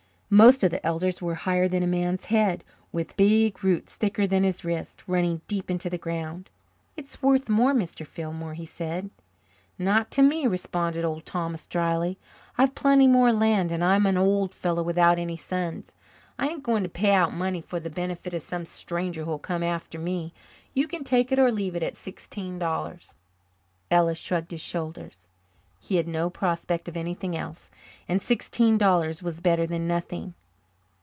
Most of the elders were higher than a man's head, with big roots, thicker than his wrist, running deep into the ground. "It's worth more, Mr. Fillmore," he said. "Not to me," responded Old Thomas drily. "I've plenty more land and I'm an old fellow without any sons. I ain't going to pay out money for the benefit of some stranger who'll come after me. You can take it or leave it at sixteen dollars." Ellis shrugged his shoulders. He had no prospect of anything else, and sixteen dollars were better than nothing.